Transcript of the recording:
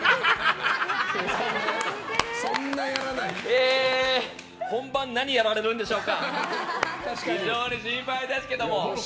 えー本番何やられるのか非常に心配ですけども。